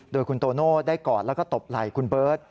โดยคุณโตโน่ได้กอดแล้วก็ตบไหล่คุณเบิร์ต